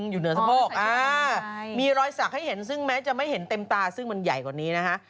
อยู่เหนือสะโพกมีรอยสักให้เห็นซึ่งแม้จะไม่เห็นเต็มตาซึ่งมันใหญ่กว่านี้นะฮะ